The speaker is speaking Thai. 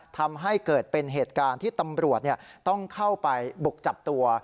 ทำให้เกิดเป็นเหตุการณ์ที่ตำรวจต้องเข้าไปบุกจับตัว